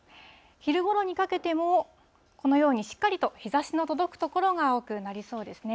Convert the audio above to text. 昼ごろにかけても、このように、しっかりと日ざしの届く所が多くなりそうですね。